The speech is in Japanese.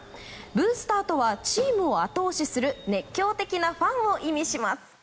ブースターとはチームを後押しする熱狂的なファンを意味します。